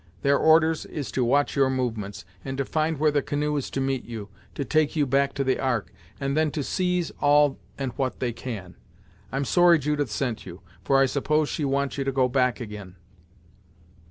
Their orders is to watch your movements, and to find where the canoe is to meet you, to take you back to the Ark, and then to seize all and what they can. I'm sorry Judith sent you, for I suppose she wants you to go back ag'in."